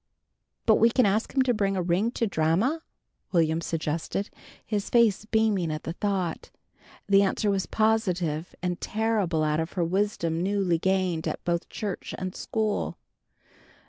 "But we can ask him to bring a ring to Dranma," Will'm suggested, his face beaming at the thought. The answer was positive and terrible out of her wisdom newly gained at both church and school.